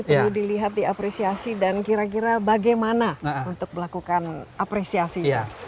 perlu dilihat diapresiasi dan kira kira bagaimana untuk melakukan apresiasi itu